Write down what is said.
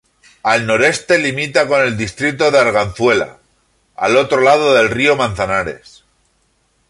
Al noreste limita con el distrito de Arganzuela, al otro lado del río Manzanares.